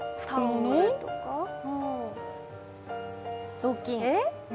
雑巾？